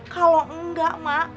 kalau enggak mak